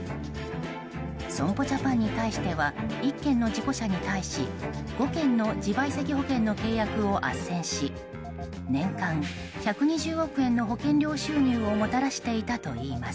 損保ジャパンに対しては１件の事故車に対し５件の自賠責保険の契約をあっせんし年間１２０億円の保険料収入をもたらしていたといいます。